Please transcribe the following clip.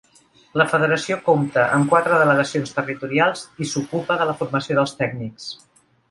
La federació compta amb quatre delegacions territorials i s'ocupa de la formació dels tècnics.